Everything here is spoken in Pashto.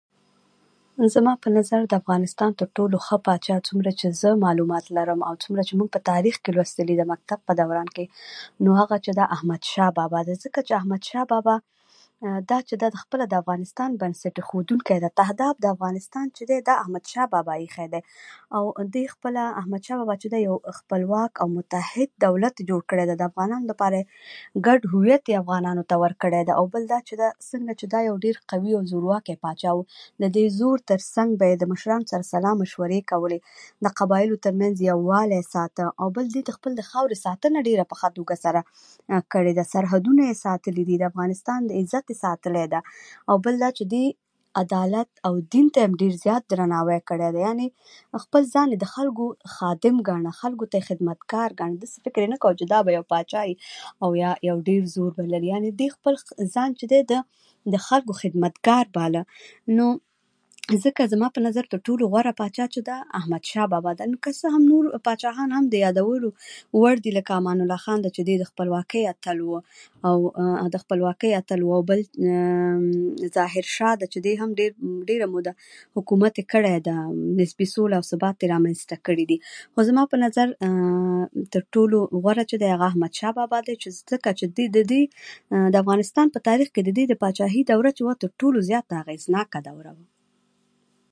زما په نظر، د افغانستان تر ټولو ښه پاچا، څومره چې زه معلومات لرم، او څومره چې موږ په تاريخ کې لوستي دي د مکتب په دوران کې، نو هغه چې ده، احمدشاه بابا ده؛ ځکه چې احمدشاه بابا دا چې ده، د خپله د افغانستان بنسټ ایښودونکی ده. تهداب د افغانستان چې دی، دا احمدشاه بابا ایښی دی، او دې خپله احمدشاه بابا چې دی، يو خپلواک او متحد دولت یې جوړ کړی دی. د افغانانو لپاره یې ګډ هویت یې افغانانو ته ورکړی دی. او بل دا چې ده، څنګه دا چې یو قوي او زورواکی پاچا و، د زور تر څنګ به یې د مشرانو سره به یې سلا مشورې کولې، د قبایلو تر منځ یې یووالی ساته. او بل دېته د خپلې خاورې ساتنه یې په ډېره ښه توګه کړې ده، سرحدونه یې ساتلي دي، د افغانستان عزت یې ساتلی ده. او بل دا چې دې عدالت او دین ته یې ام ډېر درناوی کړی دی؛ یعنې خپل ځان یې د خلکو خادم ګاڼه، خلکو ته یې خدمتګار ګاڼه. دسې فکر یې نه کاوه چې دا به پاچا يي، او یا ډېر زور به لري؛ يعنې ده خپل ځان چې دی، د خلکو خدمتګار باله. نو ځکه زما په نظر، تر ټولو غوره پاچا چې ده، احمدشاه بابا ده. نو که څه هم نور پاچاهان هم د یادولو وړ دي، لکه امان الله خان ده، چې دی د خپلواکۍ اتل و، او د خپلواکۍ اتل و. او بل ظاهر شاه ده، چې دی هم ډېره موده حکومت یې کړی ده، نسبي سوله او ثبات یې رامنځته کړي دي. خو زما په نظر، تر ټولو غوره چې دی، هغه احمدشاه بابا دی؛ ځکه چې د دې د افغانستان په تاريخ کې د دې د پاچاهۍ دوره چې وه، تر ټولو اغېزناکه دوره وه.